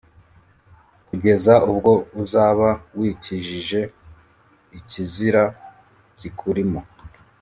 kugeza ubwo uzaba wikijije ikizira kikurimo.